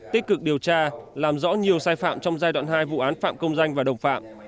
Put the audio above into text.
tích cực điều tra làm rõ nhiều sai phạm trong giai đoạn hai vụ án phạm công danh và đồng phạm